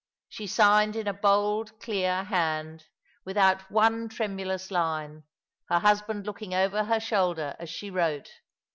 She signed in a bold, clear band, without one tremulous line, her husband looking over her shoulder as she wrote.